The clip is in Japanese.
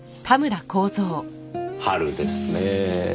春ですねぇ。